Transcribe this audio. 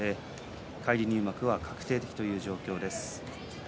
返り入幕は確定的という状況です。